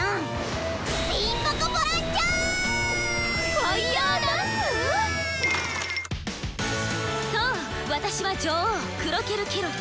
ファイヤーダンス⁉そう私は女王クロケル・ケロリ。